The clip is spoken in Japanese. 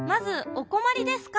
「おこまりですか？」。